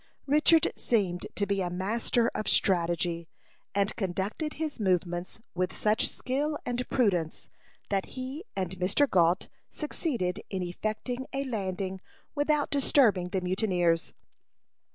Richard seemed to be a master of strategy, and conducted his movements with such skill and prudence, that he and Mr. Gault succeeded in effecting a landing without disturbing the mutineers.